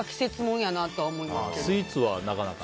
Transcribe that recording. スイーツはなかなか？